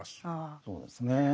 そうですね。